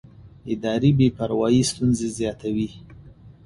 اداري بې پروایي ستونزې زیاتوي